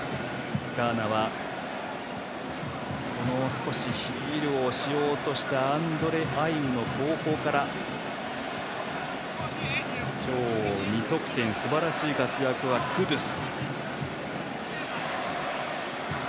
ガーナはヒールをしようとしたアンドレ・アイウの後方から今日、２得点すばらしい活躍はクドゥス。